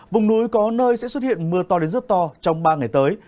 vùng núi có nơi sẽ xuất hiện mưa to đến rất to trong ba ngày tới